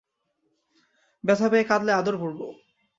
ব্যথা পেয়ে কাঁদলে আদর করব।